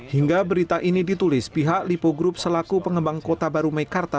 hingga berita ini ditulis pihak lipo group selaku pengembang kota baru mekarta